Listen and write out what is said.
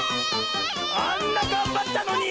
あんながんばったのに！